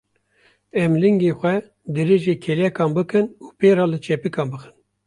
Em lingên xwe dirêjî kêlekan bikin û pê re li çepikan bixin.